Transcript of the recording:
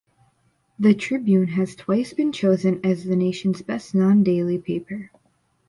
The "Tribune" has twice been chosen as the nation's best non-daily paper.